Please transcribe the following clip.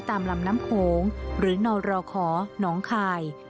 ตามลำน้ำโขงหรือนรคน้องคาย